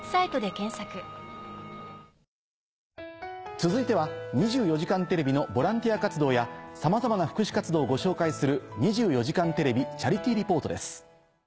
続いては『２４時間テレビ』のボランティア活動やさまざまな福祉活動をご紹介する。